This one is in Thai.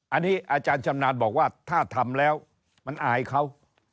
อันนี้อาจารย์ชำนาญบอกว่าถ้าทำแล้วมันอายเขา